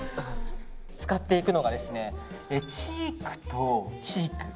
使っていくのがチークとチーク。